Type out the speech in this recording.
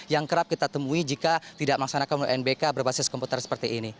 yang kerap kita temui jika tidak melaksanakan unbk berbasis komputer seperti ini